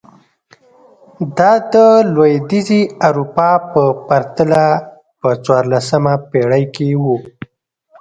دا د لوېدیځې اروپا په پرتله په څوارلسمه پېړۍ کې و.